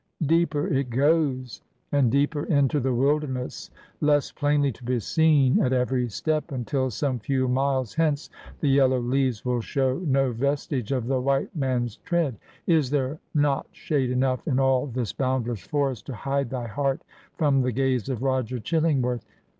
... Deeper it goes, and deeper into the wilderness, less plainly to be seen at 172 Digitized by VjOOQ IC HAWTHORNE'S HESTER PRYNNE every step, until, some few miles hence, the yellow leaves will show no vestige of the white man's tread. ... Is there not shade enough in all this boundless forest to hide thy heart from the gaze of Roger Chillingworth?'